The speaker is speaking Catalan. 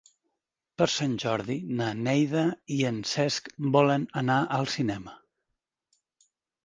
Per Sant Jordi na Neida i en Cesc volen anar al cinema.